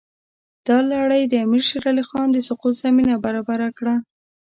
دا لړۍ د امیر شېر علي خان د سقوط زمینه برابره کړه.